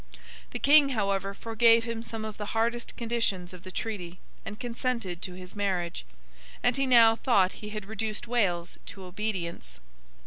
The King, however, forgave him some of the hardest conditions of the treaty, and consented to his marriage. And he now thought he had reduced Wales to obedience.